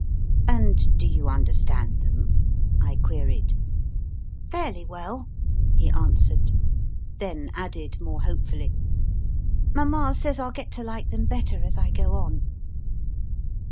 And do you understand them ? I queried. * Fairly well, he answered. Then added more hopefully, Mama says I ll get to like them better as I go on.